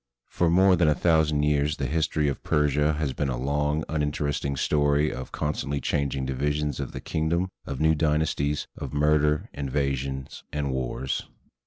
For more than a thousand years the history of Persia has been a long, unin teresting story of constantly changing divisions of the king dom, of new dynasties, of murders, invasions, and wars.